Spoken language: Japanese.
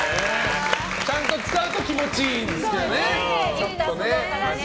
ちゃんと使うと気持ちいいんですけどね。